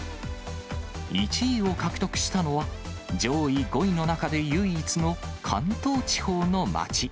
１位を獲得したのは、上位５位の中で唯一の関東地方の街。